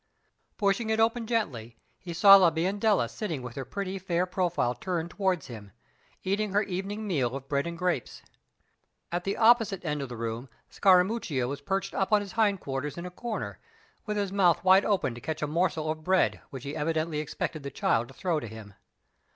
Pushing it open gently, he saw La Biondella sitting with her pretty, fair profile turned toward him, eating her evening meal of bread and grapes. At the opposite end of the room, Scarammuccia was perched up on his hindquarters in a corner, with his mouth wide open to catch the morsel of bread which he evidently expected the child to throw to him.